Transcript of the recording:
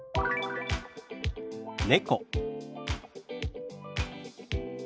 「猫」。